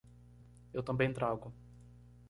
Eu também trago